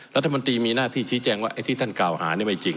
รัฐมนตรีมีหน้าที่ชี้แจงว่าไอ้ที่ท่านกล่าวหานี่ไม่จริง